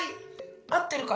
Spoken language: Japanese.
合ってるかな？